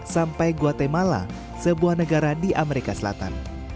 sampai guatemala sebuah negara di amerika selatan